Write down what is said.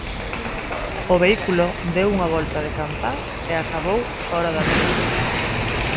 O vehículo deu unha volta de campá e acabou fóra da vía.